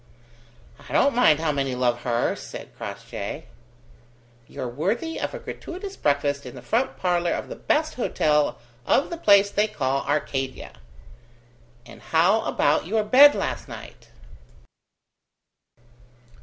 "I don't mind how many love her," said Crossjay. "You're worthy of a gratuitous breakfast in the front parlour of the best hotel of the place they call Arcadia. And how about your bed last night?"